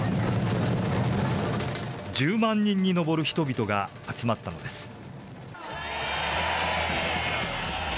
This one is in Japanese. １０万人に上る人々が集まったのです。